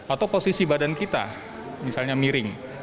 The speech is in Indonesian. atau posisi badan kita misalnya miring